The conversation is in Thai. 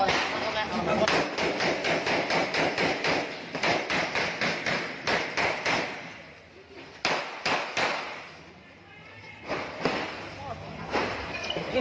เปิดนะคะออกได้หรอ